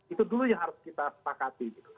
itu dulu yang harus kita sepakati